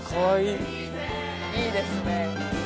いいですね。